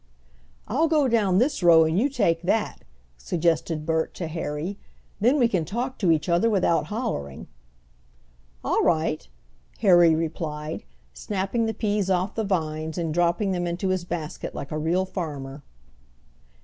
"I'll go down this row and you take that." suggested Bert to Harry. "Then we can talk to each other without hollering." "All right," Harry replied, snapping the peas off the vines and dropping them into his basket like a real farmer.